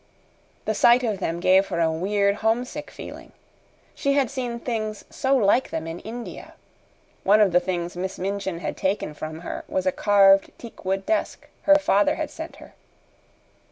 The sight of them gave her a weird, homesick feeling. She had seen things so like them in India. One of the things Miss Minchin had taken from her was a carved teakwood desk her father had sent her.